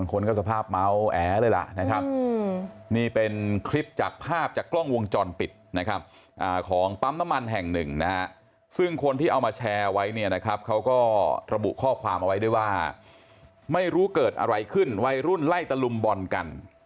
คนก็สภาพเมาแอเลยล่ะนะครับนี่เป็นคลิปจากภาพจากกล้องวงจรปิดนะครับของปั๊มน้ำมันแห่งหนึ่งนะฮะซึ่งคนที่เอามาแชร์ไว้เนี่ยนะครับเขาก็ระบุข้อความเอาไว้ด้วยว่าไม่รู้เกิดอะไรขึ้นวัยรุ่นไล่ตะลุมบอลกัน